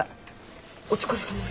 お疲れさまです。